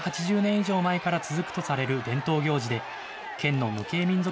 以上前から続くとされる伝統行事で、県の無形民俗